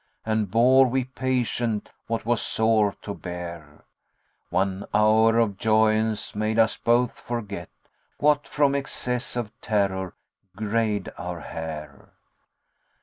* And bore we patient what was sore to bear: One hour of joyance made us both forget * What from excess of terror grey'd our hair."